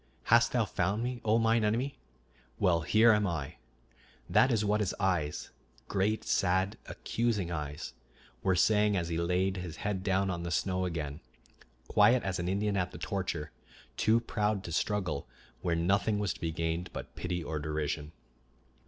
"Hast thou found me, O mine enemy? Well, here am I." That is what his eyes, great, sad, accusing eyes, were saying as he laid his head down on the snow again, quiet as an Indian at the torture, too proud to struggle where nothing was to be gained but pity or derision.